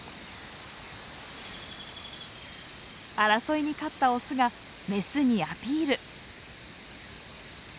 争いに勝ったオスがメスにアピール。